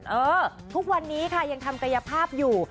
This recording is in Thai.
เออทุกวันนี้ค่ะยังทำกายภาพอยู่